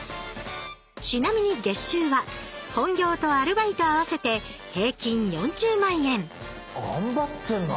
ちなみに月収は本業とアルバイト合わせて平均４０万円頑張ってるな。